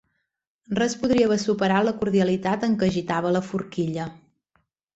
Res podria haver superat la cordialitat amb què agitava la forquilla.